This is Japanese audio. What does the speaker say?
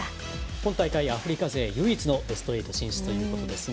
今大会アフリカ勢唯一のベスト８進出ということですが。